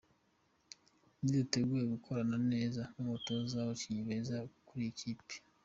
Niteguye gukorana neza n’umutoza n’abakinnyi beza iyi kipe ifite.